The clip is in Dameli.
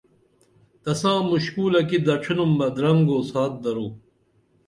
تساں مُشکُولہ کی دڇِھنُم بہ درنگو سات درو